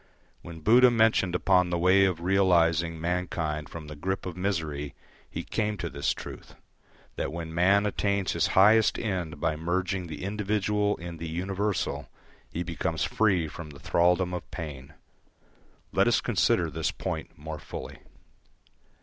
When Buddha mentioned upon the way of realising mankind from the grip of misery he came to this truth: that when man attains his highest end by merging the individual in the universal, he becomes free from the thraldom of pain. Let us consider this point more fully.